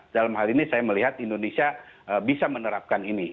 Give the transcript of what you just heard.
dalam hal ini saya melihat indonesia bisa menerapkan ini